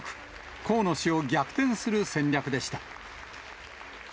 河野氏を逆転する戦略でした。